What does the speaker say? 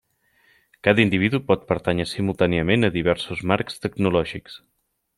Cada individu pot pertànyer simultàniament a diversos marcs tecnològics.